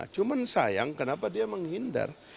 cuma sayang kenapa dia menghindar